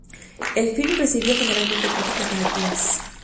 El filme recibió generalmente críticas negativas.